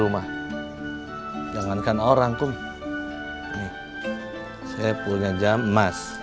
saya punya jam emas